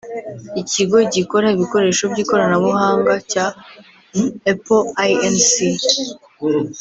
Ikigo gikora ibikoresho by’ikoranabuhanga cya Apple Inc